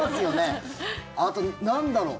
あと、なんだろう。